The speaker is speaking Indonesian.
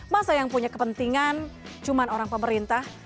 masa yang punya kepentingan cuma orang pemerintah